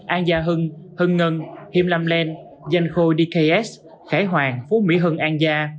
an gia hưng hưng ngân him lam len danh khôi dks khải hoàng phú mỹ hưng an gia